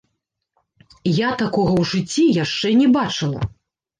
Я такога ў жыцці яшчэ не бачыла!